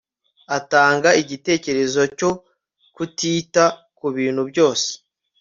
atanga igitekerezo cyo kutita kubintu byose